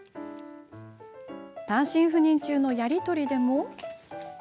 単身赴任中のやり取りでも。